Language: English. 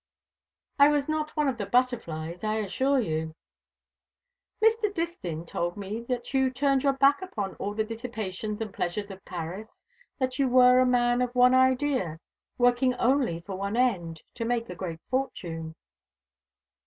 "I was not one of the butterflies, I assure you." "Mr. Distin told me that you turned your back upon all the dissipations and pleasures of Paris, that you were a man of one idea, working only for one end to make a great fortune.